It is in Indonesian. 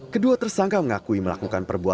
kedua tersangka mengakui melakukan perbuatan